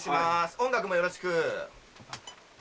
音楽もよろしく。